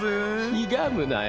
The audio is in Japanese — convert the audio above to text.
ひがむなよ。